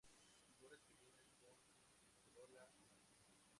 Flores pequeñas con corola amarilla.